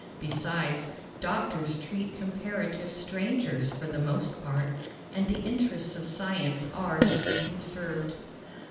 Besides, doctors treat comparative strangers for the most part, and the interests of science are to be conserved.